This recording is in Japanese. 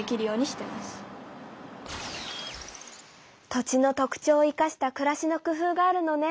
土地の特徴を生かしたくらしの工夫があるのね。